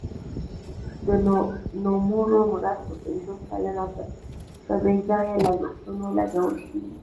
د نوموړو مرستو پنځوس سلنه په بې ځایه لګښتونو لګول شوي.